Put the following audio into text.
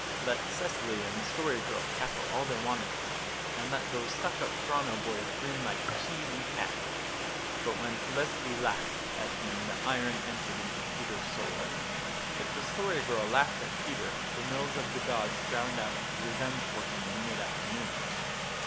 Let Cecily and the Story Girl cackle all they wanted to, and let those stuck up Toronto boys grin like chessy cats; but when Felicity laughed at him the iron entered into Peter's soul. If the Story Girl laughed at Peter the mills of the gods ground out his revenge for him in mid afternoon.